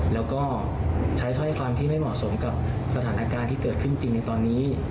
แล้วก็ใช้ถ้อยคำที่ไม่เหมาะสมกับสถานการณ์ที่เกิดขึ้นจริงในตอนนี้